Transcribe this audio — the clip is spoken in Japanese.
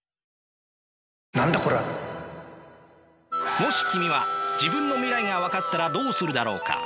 もし君は自分の未来が分かったらどうするだろうか？